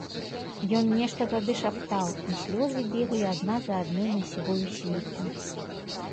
Ён нешта тады шаптаў, і слёзы беглі адна за адной на сівую світку.